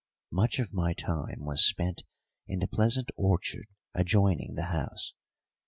Much of my time was spent in the pleasant orchard adjoining the house.